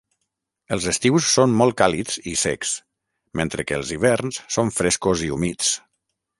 Els estius són molt càlids i secs, mentre que els hiverns són frescos i humits.